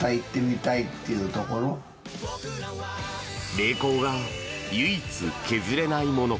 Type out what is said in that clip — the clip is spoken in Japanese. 名工が唯一削れないもの。